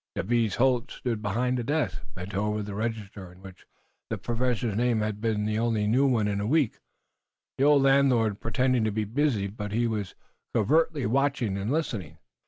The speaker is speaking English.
Jabez Holt stood behind the desk, bent over the register, on which the Professor's name had been the only new one in a week. The old landlord pretended to be busy, but he was covertly watching and listening.